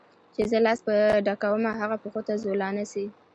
چي زه لاس په ډکومه هغه پښو ته زولانه سي